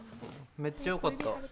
めっちゃよかった。